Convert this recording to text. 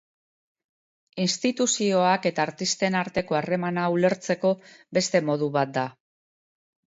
Instituzioak eta artisten arteko harremana ulertzeko beste modu bat da.